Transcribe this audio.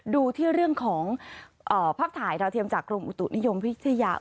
ดูที่เรื่องของภาพถ่ายดาวเทียมจากกรมอุตุนิยมวิทยา